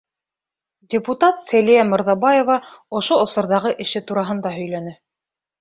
Депутат Сәлиә МЫРҘАБАЕВА ошо осорҙағы эше тураһында һөйләне.